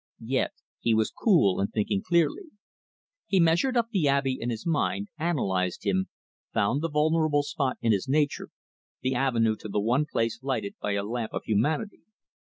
Yet he was cool and thinking clearly. He measured up the Abbe in his mind, analysed him, found the vulnerable spot in his nature, the avenue to the one place lighted by a lamp of humanity.